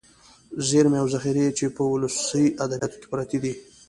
ذېرمې او ذخيرې چې په ولسي ادبياتو کې پراتې دي.